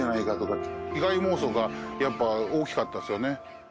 被害妄想がやっぱ大きかったですよね。